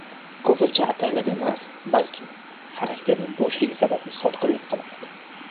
Ko‘pincha ataylab emas, balki xarakterning bo‘shligi sababli sotqinlik qilinadi.